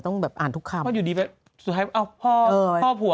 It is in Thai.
ต้องอ่านทุกคำ